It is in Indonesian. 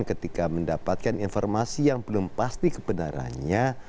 ketika mendapatkan informasi yang belum pasti kebenarannya